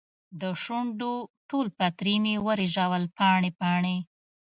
دشونډو ټول پتري مې ورژول پاڼې ، پاڼې